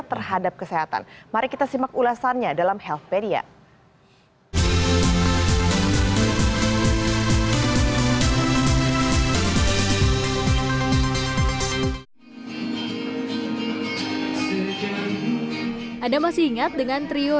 terhadap kesehatan mari kita simak ulasannya dalam healthpedia ada masih ingat dengan trio